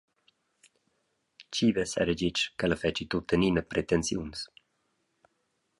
Tgi vess era detg ch’ella fetschi tuttenina pretensiuns?